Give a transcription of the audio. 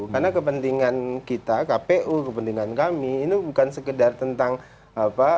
karena kepentingan kita kpu kepentingan kami ini bukan sekedar tentang kompetisi pihak